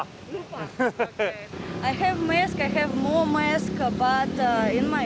saya punya masker saya punya lebih banyak masker